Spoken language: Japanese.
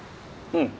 うん。